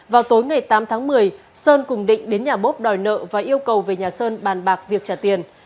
vào tối ngày tám tháng một mươi sơn cùng định đến nhà bốp đòi nợ và yêu cầu về nhà sơn bàn bạc việc trả tiền